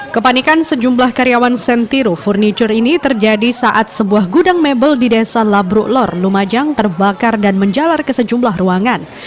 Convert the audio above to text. kepanikan sejumlah karyawan sentiru furniture ini terjadi saat sebuah gudang mebel di desa labruklor lumajang terbakar dan menjalar ke sejumlah ruangan